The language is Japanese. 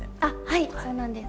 はいそうなんです。